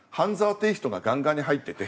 テイストがガンガンに入ってて。